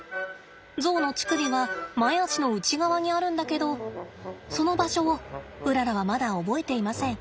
ゾウの乳首は前肢の内側にあるんだけどその場所をうららはまだ覚えていません。